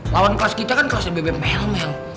lawan kelas kita kan kelasnya bebe melmel